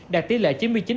đạt tỷ lệ chín mươi chín sáu